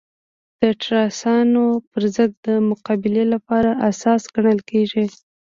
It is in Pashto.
د ټراستانو پر ضد د مقابلې لپاره اساس ګڼل کېده.